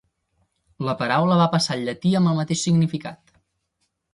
La paraula va passar al llatí amb el mateix significat.